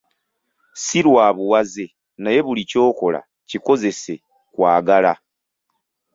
Si lwa buwaze naye buli ky'okola kikozese kwagala.